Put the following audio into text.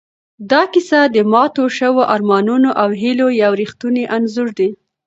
دا کیسه د ماتو شوو ارمانونو او هیلو یو ریښتونی انځور دی.